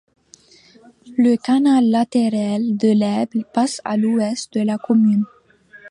Le canal latéral de l'Elbe passe à l'ouest de la commune.